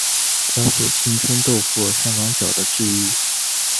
加速青春痘或香港脚的治愈。